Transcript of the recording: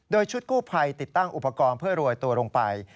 โดยชุดกู้ภัยติดตั้งอุปกรณ์เพื่อโรยตัวลงไป